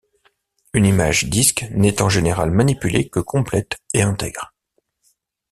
Une image disque n'est en général manipulée que complète et intègre.